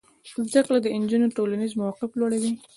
زده کړه د نجونو ټولنیز موقف لوړوي.